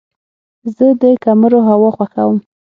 زه د کمرو هوا خوښوم.